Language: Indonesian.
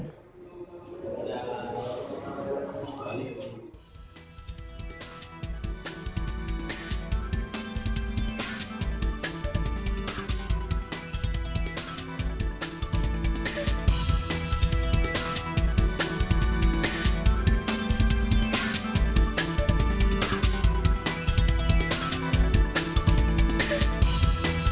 kepala rumah sakit bayangkara menyebut